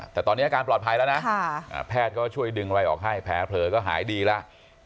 แต่ตอนนี้อาการปลอดภัยแล้วนะแพทย์ก็ช่วยดึงอะไรออกให้แผลเผลอก็หายดีแล้ว